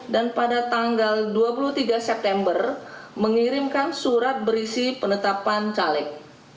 dan pada tanggal dua puluh tiga september mengirimkan surat berisi penetapan caleg